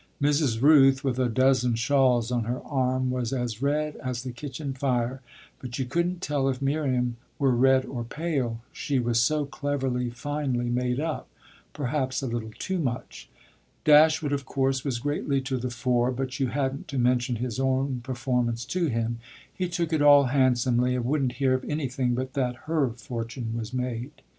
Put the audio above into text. Mrs. Rooth, with a dozen shawls on her arm, was as red as the kitchen fire, but you couldn't tell if Miriam were red or pale: she was so cleverly, finely made up perhaps a little too much. Dashwood of course was greatly to the fore, but you hadn't to mention his own performance to him: he took it all handsomely and wouldn't hear of anything but that her fortune was made.